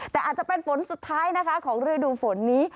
แต่อาจจะเป็นฝนสุดท้ายของเรื่อยดูฝนนี้